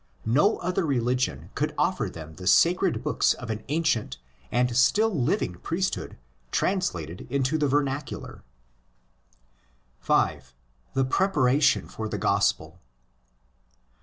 No other religion could offer them the sacred books of an ancient and still living priesthood translated into the vernacular. 5.—The Preparation for the Gospel.